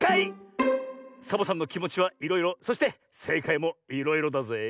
サボさんのきもちはいろいろそしてせいかいもいろいろだぜえ。